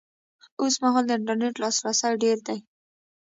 اوس مهال د انټرنېټ لاسرسی ډېر دی